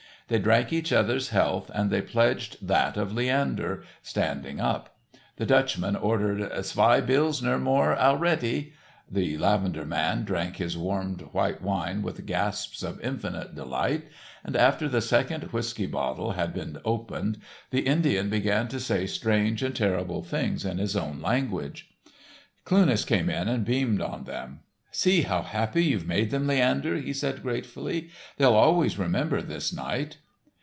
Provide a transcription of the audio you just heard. They drank each other's health and they pledged that of Leander, standing up. The Dutchman ordered: "Zwei Billzner more alreatty." The lavender man drank his warmed white wine with gasps of infinite delight, and after the second whiskey bottle had been opened, the Indian began to say strange and terrible things in his own language. Cluness came in and beamed on them. "See how happy you've made them, Leander," he said gratefully. "They'll always remember this night."